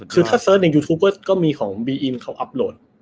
คือถ้าเสิร์ชในยูทูปก็มีของบีอินเขาอัพโหลด